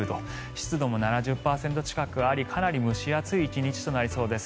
湿度も７０％近くありかなり蒸し暑い１日となりそうです。